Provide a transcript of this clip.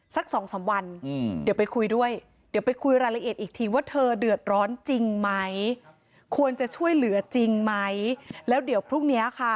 สักสองสามวันเดี๋ยวไปคุยด้วย